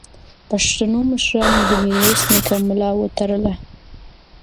پښتنو مشرانو د میرویس نیکه ملا وتړله.